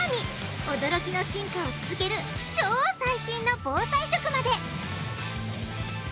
驚きの進化を続ける超最新の防災食まで！